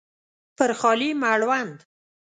پر خالي مړوند